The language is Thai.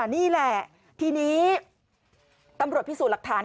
นี่แหละทีนี้ตำรวจพิสูจน์หลักฐาน